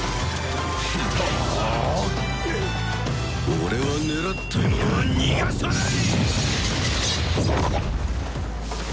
俺は狙った獲物は逃がさない！